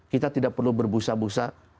kita tidak perlu berbusa busa